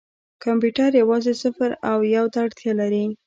کمپیوټر یوازې صفر او یو ته اړتیا لري.